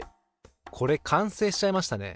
これ完成しちゃいましたね。